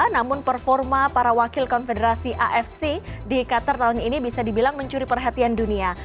namun performa para wakil konfederasi afc di qatar tahun ini bisa dibilang mencuri perhatian dunia